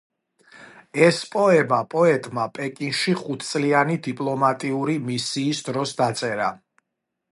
ეს პოემა პოეტმა პეკინში ხუთწლიანი დიპლომატიური მისიის დროს დაწერა.